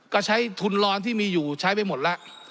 ก็ใช้ทุนร้อนที่มีอยู่ใช้ไปหมดแล้ว